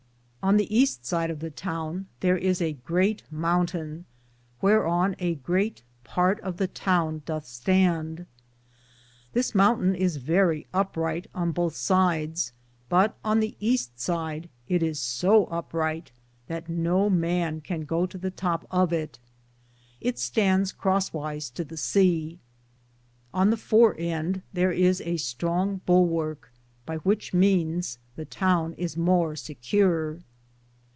On the easte side of the towne tharis a greate mountayne, vvheare on a great parte of the towne dothe stande. This mountayne is verrie upryghte on bothe sides, but on the easte sid it is so uprighte that no man can go to the top of it. It standes cross wyse to the seae. On the fore end tharis a stronge bullworke, by which means the towne is more secure.